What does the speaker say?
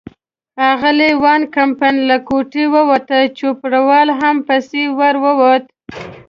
اغلې وان کمپن له کوټې ووتل، چوپړوال هم پسې ور ووت.